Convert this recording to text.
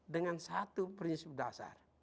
dengan satu prinsip dasar